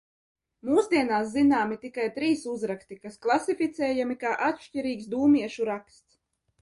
Mūsdienās zināmi tikai trīs uzraksti, kas klasificējami kā atšķirīgs Dūmiešu raksts.